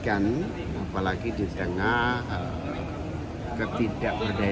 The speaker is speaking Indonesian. yang akan dibantu itu siapa siapa aja sih